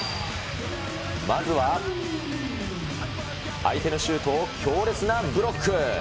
まずは相手のシュートを強烈なブロック。